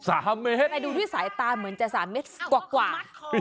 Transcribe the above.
แต่ดูด้วยสายตาเหมือนจะ๓เมตรกว่า